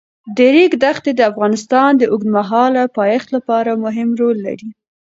د ریګ دښتې د افغانستان د اوږدمهاله پایښت لپاره مهم رول لري.